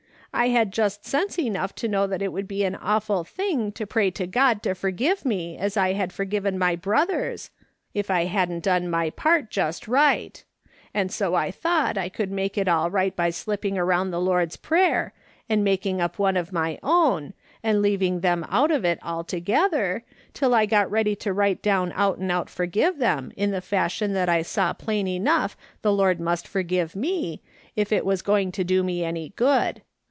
I had just sense enough to know that it would be an awful thing to pray to God to forgive me as IM forgiven my botherers, if I hadn't done my part just right ; and so I thought I could make it all right by slip ping around the Lord's Prayer, and making up one of my own, and leaving them out of it altogether, till I got ready to right down out and out forgive them in the fashion that I saw plain enough the Lord must forgive me, if it was going to do me any good.